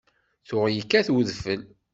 Tuɣ yekkat wedfel.